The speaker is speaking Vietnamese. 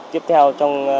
tiếp theo trong